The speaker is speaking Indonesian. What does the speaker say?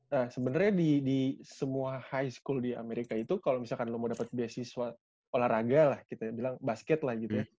nah sebenarnya di semua high school di amerika itu kalau misalkan lo mau dapat beasiswa olahraga lah kita bilang basket lah gitu ya